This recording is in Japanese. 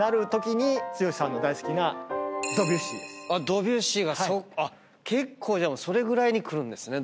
ドビュッシーが結構それぐらいに来るんですね。